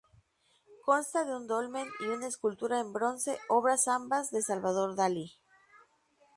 Consta de un dolmen y una escultura en bronce, obras ambas de Salvador Dalí.